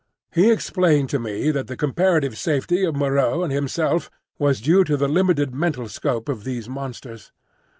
He explained to me that the comparative safety of Moreau and himself was due to the limited mental scope of these monsters.